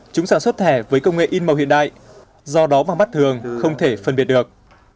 chúng sản xuất thẻ với công nghệ in màu hiện đại do đó vào mắt thường không thể phân biệt được